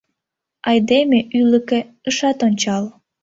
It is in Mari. Айдеме ӱлыкӧ ышат ончал.